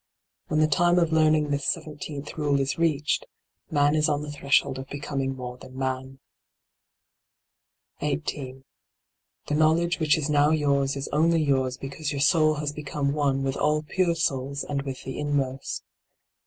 When the time of learning this seventeenth rule is reached, man is on the threshold of becoming more than man. 18. The knowledge which is now yours is only yours because your soul has become one with all pure souls and with the inmost.